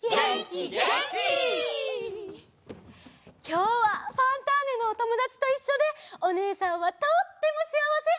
きょうは「ファンターネ！」のおともだちといっしょでおねえさんはとってもしあわせ！